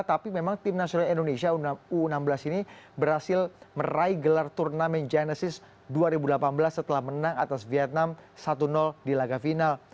tapi memang tim nasional indonesia u enam belas ini berhasil meraih gelar turnamen genesis dua ribu delapan belas setelah menang atas vietnam satu di laga final